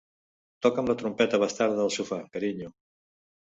Toca'm la trompeta bastarda al sofà, carinyo.